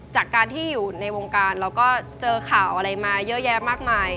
จากการที่อยู่ในวงการเราก็เจอข่าวอะไรมาเยอะแยะมากมาย